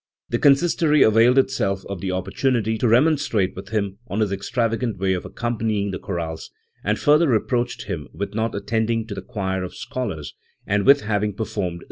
The Consistory availed itself of the opportunity to remon strate with him on his extravagant way of accompanying the chorales ; and further reproached him with not attend ing to the choir of scholars, and with having performed so little figurate music.